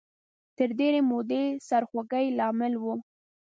تر ډېرې مودې سرخوږۍ لامل و